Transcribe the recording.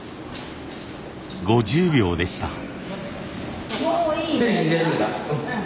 ５０秒でした。